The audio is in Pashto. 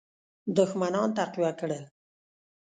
دښمنان تقویه کړل.